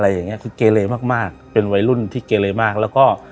อย่างเงี้คือเกเลมากมากเป็นวัยรุ่นที่เกเลมากแล้วก็